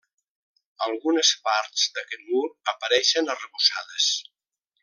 Algunes parts d'aquest mur apareixen arrebossades.